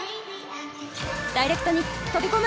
ダイレクトに飛び込む。